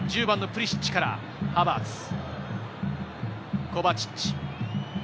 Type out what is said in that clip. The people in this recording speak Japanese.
１０番のプリシッチからハバーツ。